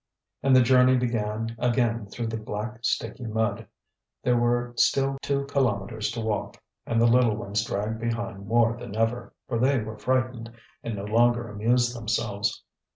And the journey began again through the black, sticky mud. There were still two kilometres to walk, and the little ones dragged behind more than ever, for they were frightened, and no longer amused themselves.